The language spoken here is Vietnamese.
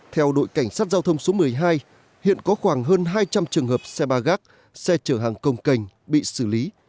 theo đội cảnh sát giao thông số một mươi hai hiện có khoảng hơn hai trăm linh trường hợp xe ba gác xe chở hàng công cành bị xử lý